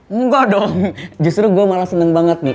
enggak dong justru gue malah seneng banget nih